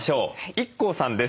ＩＫＫＯさんです。